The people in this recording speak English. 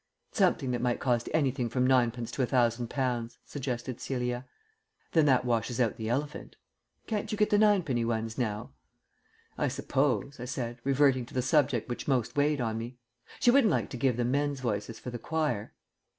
"Something that might cost anything from ninepence to a thousand pounds," suggested Celia. "Then that washes out the elephant." "Can't you get the ninepenny ones now?" "I suppose," I said, reverting to the subject which most weighed on me, "she wouldn't like to give the men's voices for the choir?"